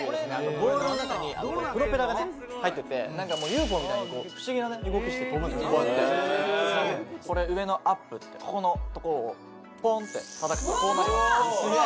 ボールの中にプロペラがね入ってて何かもうＵＦＯみたいに不思議なね動きして飛ぶんですこうやってこれ上のアップってここのところをポンって叩くとこうなります・すげえ！